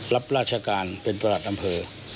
รับราชการเป็นประหลัดอำเภอ